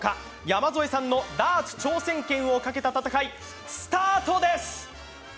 山添さんのダーツ挑戦権をかけた戦い、スタートです。